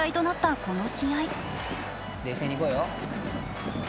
冷静にいこうよ。